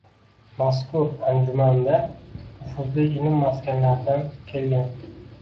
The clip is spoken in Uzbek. Mazkur anjumandanufuzli ilm maskanlaridan kelgan.